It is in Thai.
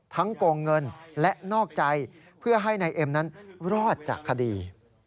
โกงเงินและนอกใจเพื่อให้นายเอ็มนั้นรอดจากคดี